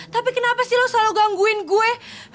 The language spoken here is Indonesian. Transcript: tapi kenapa sih lo selalu gangguin gue